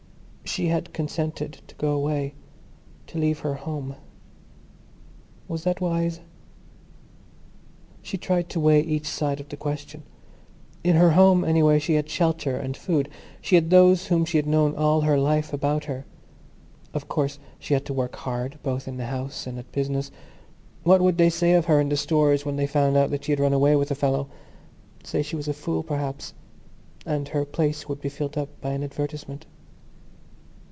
She had consented to go away, to leave her home. Was that wise? She tried to weigh each side of the question. In her home anyway she had shelter and food; she had those whom she had known all her life about her. Of course she had to work hard, both in the house and at business. What would they say of her in the Stores when they found out that she had run away with a fellow? Say she was a fool, perhaps; and her place would be filled up by advertisement.